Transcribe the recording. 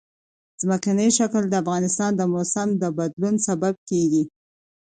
ځمکنی شکل د افغانستان د موسم د بدلون سبب کېږي.